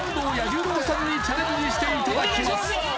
彌十郎さんにチャレンジしていただきます